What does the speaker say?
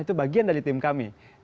itu bagian dari tim kami